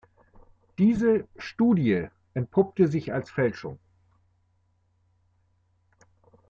Diese „Studie“ entpuppte sich als Fälschung.